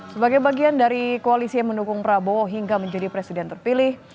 sebagai bagian dari koalisi yang mendukung prabowo hingga menjadi presiden terpilih